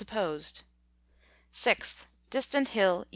(supposed). Gth. Distant Hill, E.